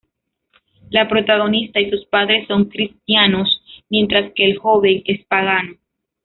La protagonista y sus padres son cristianos, mientras que el joven es pagano.